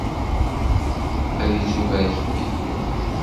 Ad ittubarek Yillu!